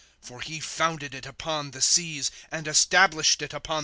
^ For he founded it upon the seas, And established it upon the floods.